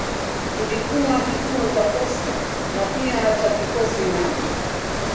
Ilikuwa kituo cha posta na pia cha kikosi na.